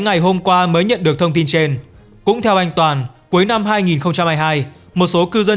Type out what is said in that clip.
ngày hôm qua mới nhận được thông tin trên cũng theo anh toàn cuối năm hai nghìn hai mươi hai một số cư dân